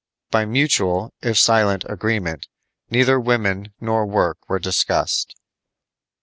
By mutual, if silent, agreement, neither women nor work were discussed.